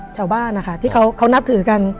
ชาวบ้านนะคะที่เขานับถือกัน